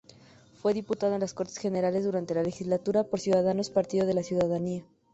Fue diputado en las Cortes Generales durante la legislatura por Ciudadanos-Partido de la Ciudadanía.